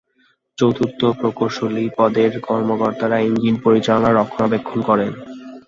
চতুর্থ প্রকৌশলী পদের কর্মকর্তারা ইঞ্জিন পরিচালনা ও রক্ষণাবেক্ষণ করেন।